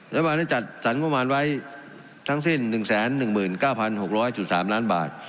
ระบาดที่จัดสรรค์กว่ามารไว้ทั้งสิ้น๑๑๙๖๐๐๓ล้านบาท